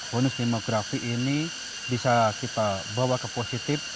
bonus demografi ini bisa kita bawa ke positif